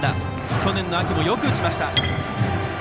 去年の秋もよく打ちました。